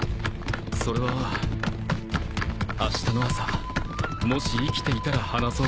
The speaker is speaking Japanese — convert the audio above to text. それはあしたの朝もし生きていたら話そうか。